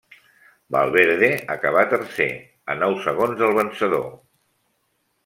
Valverde acabà tercer, a nou segons del vencedor.